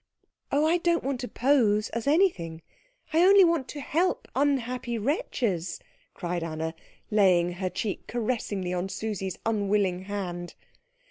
"Oh, I don't want to pose as anything I only want to help unhappy wretches," cried Anna, laying her cheek caressingly on Susie's unwilling hand.